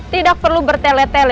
tidak perlu bertel tel